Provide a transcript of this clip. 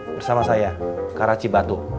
bersama saya kak raci batu